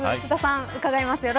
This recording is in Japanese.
菅田さん、伺います。